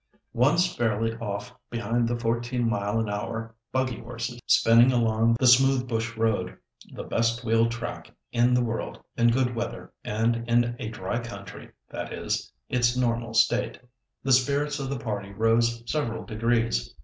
Once fairly off behind the fourteen mile an hour buggy horses, spinning along the smooth bush road—the best wheel track in the world in good weather and in a dry country, that is, its normal state—the spirits of the party rose several degrees.